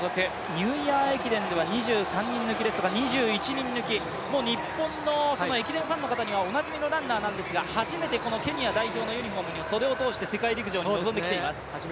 ニューイヤー駅伝では２２人抜き日本の駅伝ファンにはおなじみのランナーですが初めてこのケニア代表のユニフォームに袖を通して世界陸上に臨んできています。